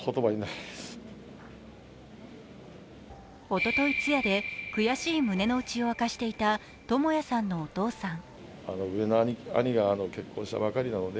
おととい、通夜で悔しい胸のうちを明かしていた智也さんのお父さん。